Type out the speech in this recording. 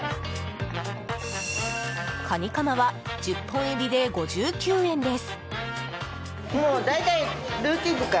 カニカマは１０本入りで５９円です。